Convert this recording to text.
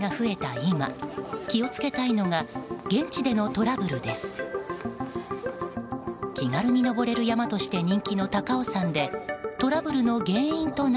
今気を付けたいのが現地でのトラブルです。